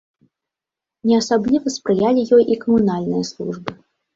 Не асабліва спрыялі ёй і камунальныя службы.